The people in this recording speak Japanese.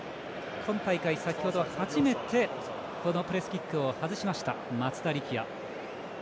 今大会、先ほど初めてプレースキックを外しました松田力也。